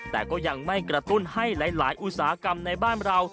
แต่ก็ยังไม่กระตุ้นให้หลายอุตสาหกรรมในบ้านเรา